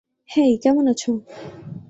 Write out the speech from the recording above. হেই, কেমন আছো?